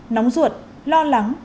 nóng ruột lo lắng